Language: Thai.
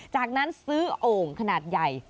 จากนั้นซื้อโอ่งขนาดใหญ่